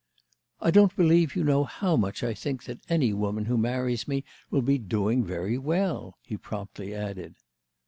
"I don't believe you know how much I think that any woman who marries me will be doing very well," he promptly added.